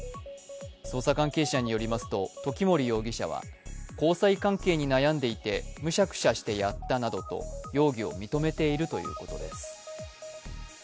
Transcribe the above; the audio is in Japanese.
捜査関係者によりますと時森容疑者は交際関係に悩んでいてむしゃくしゃしてやったなどと容疑を認めているということです。